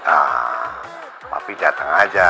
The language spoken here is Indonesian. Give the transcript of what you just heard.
ah papi datang aja